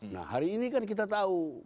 nah hari ini kan kita tahu